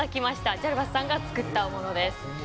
ジャルバスさんが作ったものです。